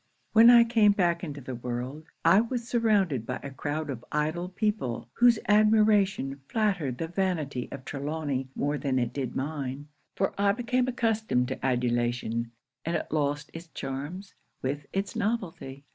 'When I came back into the world, I was surrounded by a croud of idle people, whose admiration flattered the vanity of Trelawny more than it did mine; for I became accustomed to adulation, and it lost it's charms with it's novelty.